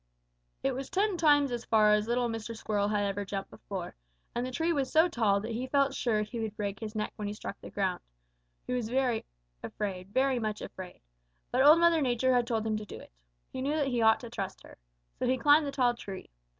"It was ten times as far as little Mr. Squirrel ever had jumped before, and the tree was so tall that he felt sure that he would break his neck when he struck the ground. He was afraid, very much afraid. But Old Mother Nature had told him to do it. He knew that he ought to trust her. So he climbed the tall tree.